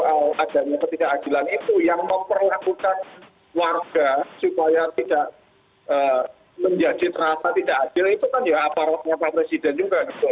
kalau adanya ketidakadilan itu yang memperlakukan warga supaya tidak menjadi terasa tidak adil itu kan ya aparatnya pak presiden juga gitu